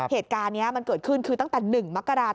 เหตุการณ์นี้มันเกิดขึ้นคือตั้งแต่๑มกราศ